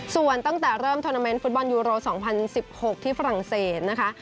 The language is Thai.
ส่วนตั้งแต่เริ่มทวนาเมนต์ฟุตบอลยูโร๒๐๑๖ที่ฝรั่งเศสนะคะ